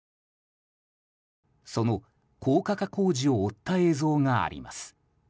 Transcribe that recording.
その高架化工事を追った映像があります。